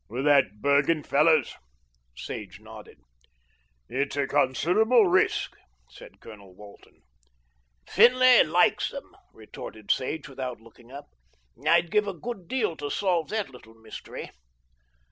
"With that Bergen fellow's?" Sage nodded. "It's a considerable risk," said Colonel Walton. "Finlay likes 'em," retorted Sage without looking up. "I'd give a good deal to solve that little mystery."